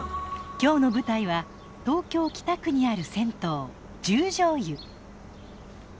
今日の舞台は東京・北区にある銭湯十條湯。